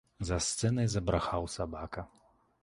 За сцэнай забрахаў сабака.